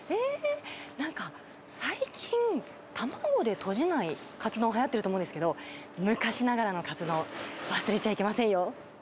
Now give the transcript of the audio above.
なんか最近、卵でとじないかつ丼がはやってると思うんですけど、昔ながらのかつ丼、忘れちゃいけませんよ。